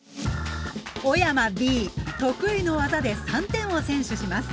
小山Ｂ得意の技で３点を先取します。